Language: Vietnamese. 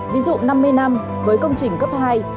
ví dụ năm mươi năm với công trình cấp hai